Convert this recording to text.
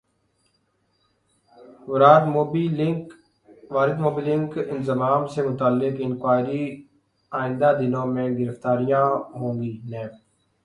واردموبی لنک انضمام سے متعلق انکوائری ئندہ دنوں میں گرفتاریاں ہوں گی نیب